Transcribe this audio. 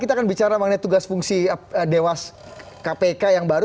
kita akan bicara mengenai tugas fungsi dewas kpk yang baru